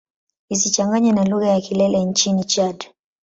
Isichanganywe na lugha ya Kilele nchini Chad.